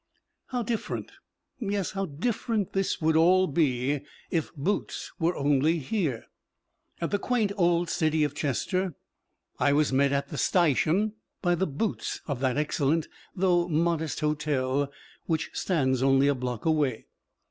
How different, yes, how different, this would all be if Boots were only here! At the quaint old city of Chester I was met at the "sti shun" by the Boots of that excellent though modest hotel which stands only a block away.